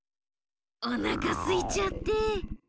おなかすいちゃって。